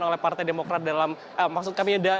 oleh partai demokrat dalam maksud kami